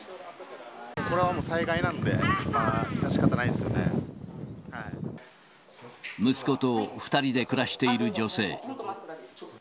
これはもう災害なので、まあ、息子と２人で暮らしている女性。